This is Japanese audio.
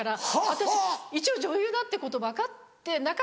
私一応女優だってこと分かってなかった。